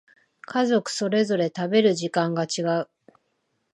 家族それぞれ食べる時間が違う